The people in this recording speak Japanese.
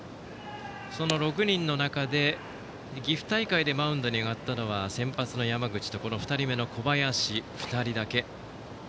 その６人の中で、岐阜大会でマウンドに上がったのは先発の山口とこの２人目の小林の２人だけ。